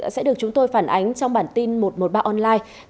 sẽ được chúng tôi phản ánh trong bản tin một trăm một mươi ba online